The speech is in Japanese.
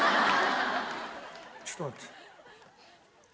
ちょっと待って。